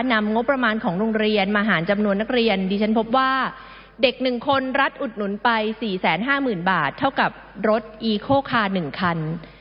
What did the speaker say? นำงบประมาณของโรงเรียนมาหารจำนวนนักเรียนดิฉันพบว่าเด็ก๑คนรัฐอุดหนุนไป๔๕๐๐๐บาทเท่ากับรถอีโคคา๑คัน